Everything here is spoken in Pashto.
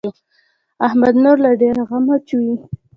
احمد نور له ډېره غمه چويي.